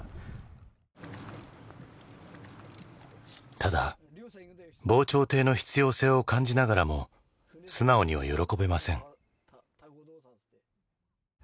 ただ防潮堤の必要性を感じながらも素直には喜べません。